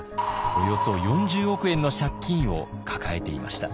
およそ４０億円の借金を抱えていました。